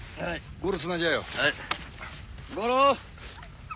ゴロ！